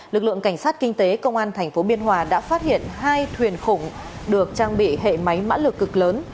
lực lượng cảnh sát kinh tế công an tp biên hòa đã phát hiện hai thuyền khủng được trang bị hệ máy mã lực cực lớn